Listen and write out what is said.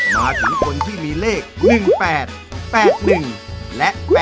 มาถึงคนที่มีเลข๑๘๘๑และ๘๘